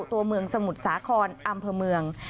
ตัวเมืองสมุทรสาครอำเภอเมือง